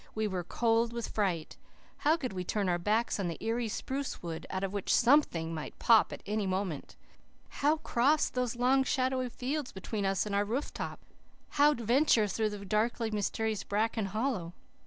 We were cold with fright. How could we turn our backs on the eerie spruce wood, out of which SOMETHING might pop at any moment? How cross those long, shadowy fields between us and our rooftree? How venture through the darkly mysterious bracken hollow?